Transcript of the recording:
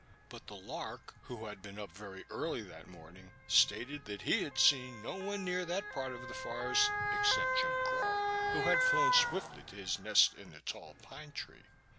But the lark, who had been up very early that morning, stated that he had seen no one near that part of the forest except Jim Crow, who had flown swiftly to his nest in the tall pine tree.